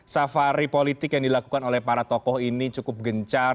safari politik yang dilakukan oleh para tokoh ini cukup gencar